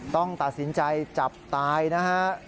ต้องตัดสินใจจับตายนะฮะ